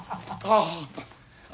ああ。